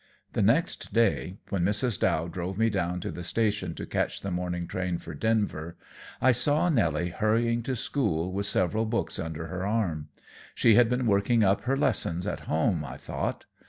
The next day, when Mrs. Dow drove me down to the station to catch the morning train for Denver, I saw Nelly hurrying to school with several books under her arm. She had been working up her lessons at home, I thought.